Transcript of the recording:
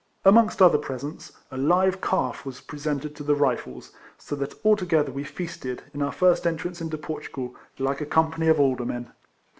Amongst other presents, a live calf was presented to the Rifles, so that altogether we feasted in our first entrance into Portu gal like a company of aldermen.